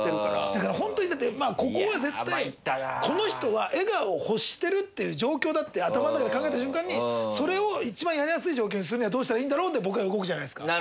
だからホントにだってまぁここは絶対この人は笑顔を欲してるっていう状況だって頭の中で考えた瞬間にそれを一番やりやすい状況にするにはどうしたらいいんだろうで僕らは動くじゃないですか。